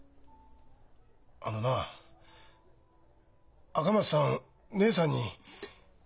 あのな赤松さん義姉さんに。